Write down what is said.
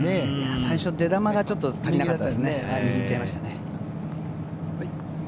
最初、出球がちょっと足りなかったですね。